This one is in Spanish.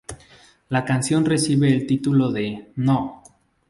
La canción recibe el título de "No!